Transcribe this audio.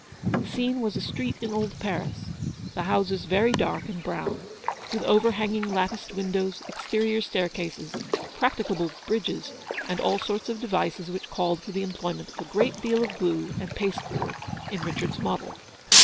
The scene was a street in old Paris, the houses very dark and brown, with over hanging latticed windows, exterior stair cases, practicable bridges, and all sorts of de vices which called for the employment of a great deal of glue and pasteboard in Richard's model.